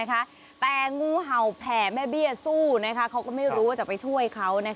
แต่งูเห่าแผ่แม่เบี้ยสู้เขาก็ไม่รู้ว่าจะไปช่วยเขา